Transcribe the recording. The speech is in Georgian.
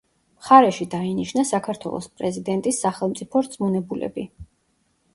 მხარეში დაინიშნა საქართველოს პრეზიდენტის სახელმწიფო რწმუნებულები.